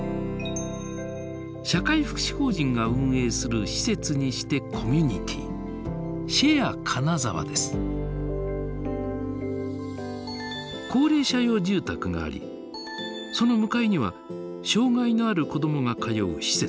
社会福祉法人が運営する施設にしてコミュニティー高齢者用住宅がありその向かいには障害のある子どもが通う施設。